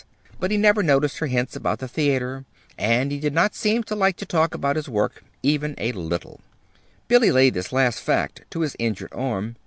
But he never noticed her hints about the theater, and he did not seem to like to talk about his work, even a little bit. Billy laid this last fact to his injured arm.